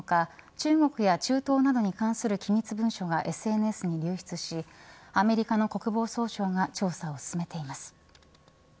中国や中東などに関する機密文書がＳＮＳに流出しアメリカの国防総省が調査を進めています。